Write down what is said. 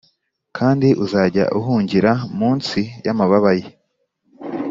kandi uzajya uhungira munsi y’amababa ye,